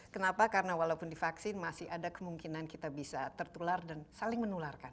kenapa karena walaupun divaksin masih ada kemungkinan kita bisa tertular dan saling menularkan